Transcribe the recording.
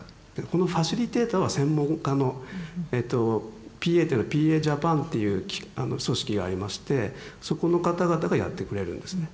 このファシリテーターは専門家のＰＡってＰＡジャパンっていう組織がありましてそこの方々がやってくれるんですね。